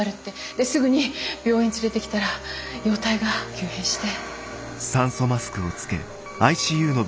ですぐに病院連れてきたら容体が急変して。